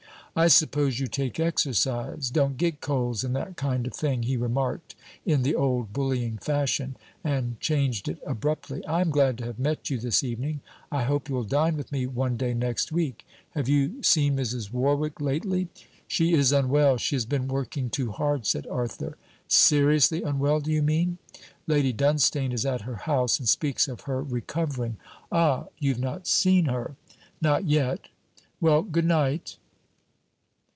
'I suppose you take exercise; don't get colds and that kind of thing,' he remarked in the old bullying fashion; and changed it abruptly. 'I am glad to have met you this evening. I hope you'll dine with me one day next week. Have you seen Mrs. Warwick lately?' 'She is unwell; she has been working too hard,' said Arthur. 'Seriously unwell, do you mean?' 'Lady Dunstane is at her house, and speaks of her recovering.' 'Ah. You've not seen her?' 'Not yet.' 'Well, good night.'